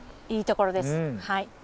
いいところですはい。